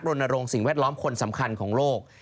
รณรงค์สิ่งแวดล้อมคนสำคัญของโลก